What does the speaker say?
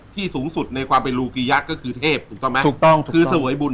สูงสุดในความเป็นลูกียักษ์ก็คือเทพถูกต้องไหมถูกต้องถูกคือเสวยบุญ